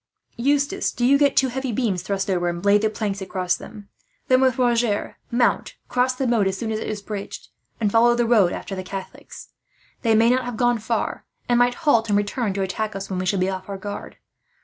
"Eustace, do you get two heavy beams thrust over, and lay the planks across them; then with Roger mount, cross the moat as soon as it is bridged, and follow the road after the Catholics. They may not have gone far, and might halt and return to attack us, when we shall be off our guard.